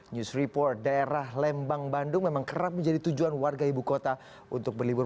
news report daerah lembang bandung memang kerap menjadi tujuan warga ibu kota untuk berlibur